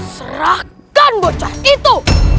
serahkan bocah itu